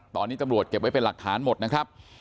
ตอนนี้ตำรวจเก็บไว้เป็นหลักฐานหมดนะครับ